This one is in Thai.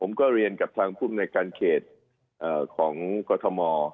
ผมก็เรียนกับทางผู้บรรยาการเขตของก็ทม